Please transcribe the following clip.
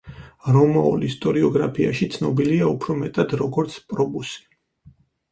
რომაულ ისტორიოგრაფიაში ცნობილია უფრო მეტად, როგორც პრობუსი.